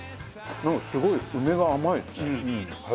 なんかすごい梅が甘いですね。